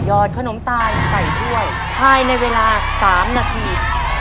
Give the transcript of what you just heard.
อดขนมตาลใส่ถ้วยภายในเวลา๓นาที